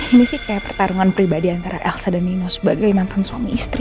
ini sih kayak pertarungan pribadi antara aksa dan nino sebagai mantan suami istri